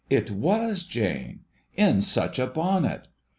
It icas Jane ! In such a bonnet